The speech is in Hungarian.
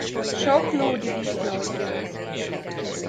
Sok lúd disznót győz.